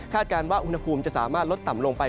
การว่าอุณหภูมิจะสามารถลดต่ำลงไป